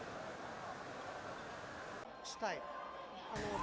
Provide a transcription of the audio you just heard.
chúng tôi sẵn sàng hỗ trợ việt nam